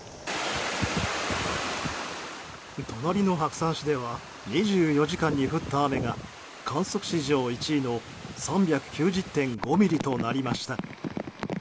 隣の白山市では２４時間に降った雨が観測史上１位の３９０．５ミリとなりました。